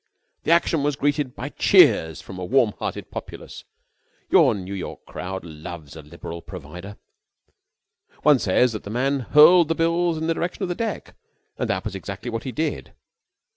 The action was greeted by cheers from a warm hearted populace. Your New York crowd loves a liberal provider. One says that the man hurled the bills in the direction of the deck, and that was exactly what he did.